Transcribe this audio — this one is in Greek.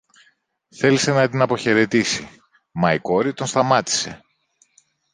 Θέλησε να την αποχαιρετήσει, μα η κόρη τον σταμάτησε.